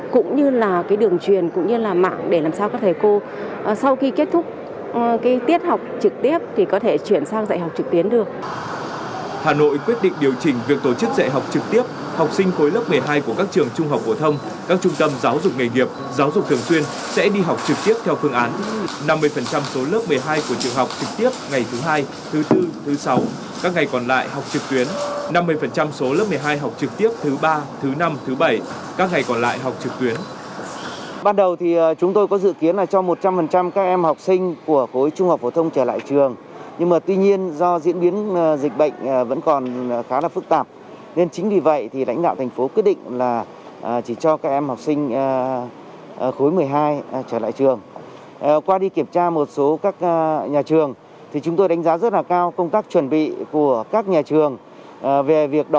cũng như là cái đường truyền cũng như là mạng để làm sao các thầy cô sau khi kết thúc tiết học trực tiếp